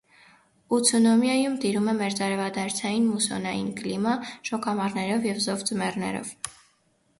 Ուցունոմիայում տիրում է մերձարևադարձային մուսոնային կլիմա՝ շոգ ամառներով և զով ձմեռներով։